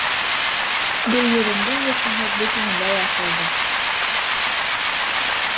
Гөлйөҙөмдөң йоҡоһо бөтөнләй асылды.